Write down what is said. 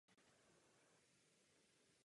Město Šternberk zřizuje i městskou knihovnu.